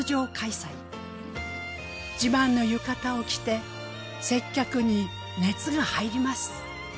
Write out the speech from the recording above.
自慢の浴衣を着て接客に熱が入ります。